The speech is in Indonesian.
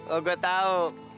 oh gue tau